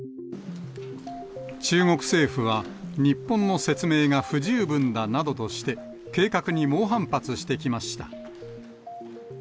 中国政府は、日本の説明が不十分だなどとして、計画に猛反発してきました。